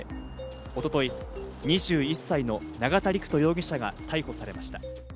一昨日、２１歳の永田陸人容疑者が逮捕されました。